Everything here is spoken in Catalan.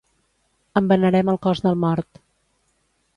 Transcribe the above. Embenaren el cos del mort.